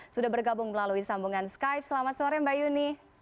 sudah bergabung melalui sambungan skype selamat sore mbak yuni